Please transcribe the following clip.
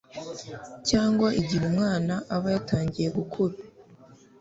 cyangwa igihe umwana aba yatangiye gukura